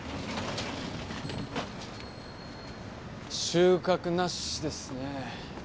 収穫なしですね。